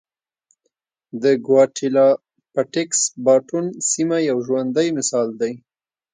د ګواتیلا پټېکس باټون سیمه یو ژوندی مثال دی.